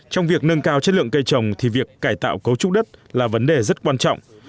trong việc nâng cao chất lượng cây trồng thì việc cải tạo cấu trúc đất là vấn đề rất quan trọng